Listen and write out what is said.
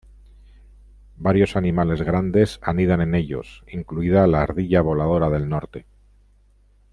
Varios animales grandes anidan en ellos, incluida la ardilla voladora del norte.